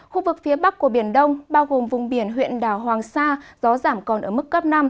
khu vực phía bắc của biển đông bao gồm vùng biển huyện đảo hoàng sa gió giảm còn ở mức cấp năm